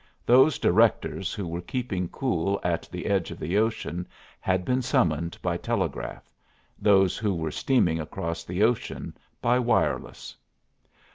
Those directors who were keeping cool at the edge of the ocean had been summoned by telegraph; those who were steaming across the ocean, by wireless.